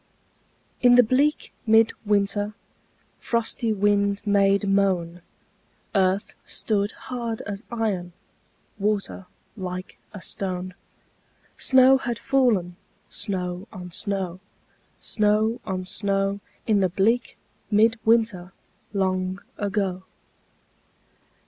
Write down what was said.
In the bleak mid winter Frosty wind made moan, Earth stood hard as iron, Water like a stone; Snow had fallen, snow on snow, Snow on snow, In the bleak mid winter Long ago.